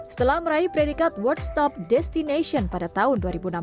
setelah meraih predikat world stop destination pada tahun dua ribu enam belas